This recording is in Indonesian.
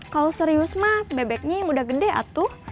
kalau serius mah bebeknya yang udah gede atuh